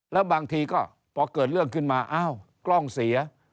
แล้วบางทีก็พอเกิดเรื่องขึ้นมาอ้าวกล้องเสีย